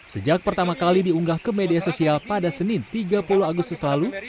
sejak pertama kali diunggah ke media sosial pada senin tiga puluh agustus lalu